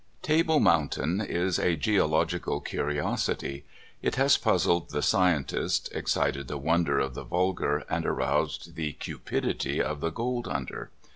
TABLE MOUNTAIN is a geological curios ity. It has puzzled the scientists, excited the wonder of the vulgar, and aroused the cupidity of the gold hunter.